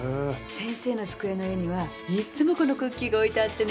先生の机の上にはいつもこのクッキーが置いてあってね。